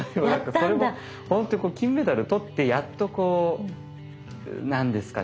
それも金メダル取ってやっとこう何ですかね